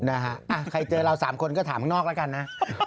นะฮะใครเจอเราสามคนก็ถามข้างนอกแล้วกันนะ